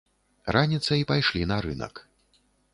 Раніцай пайшлі на рынак.